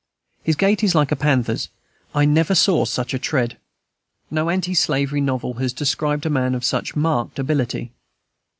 His gait is like a panther's; I never saw such a tread. No anti slavery novel has described a man of such marked ability.